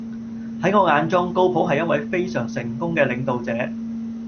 喺我眼中，高普係一位非常成功嘅領導者